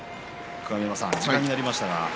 鏡山さん時間になりました。